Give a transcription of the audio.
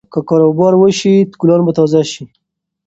که باران وشي نو ګلان به تازه شي.